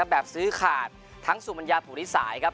แบบซื้อขาดทั้งสุมัญญาภูริสายครับ